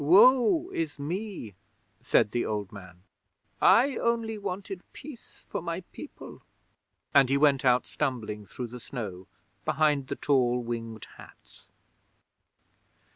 Woe is me!" said the old man. "I only wanted peace for my people," and he went out stumbling through the snow behind the tall Winged Hats.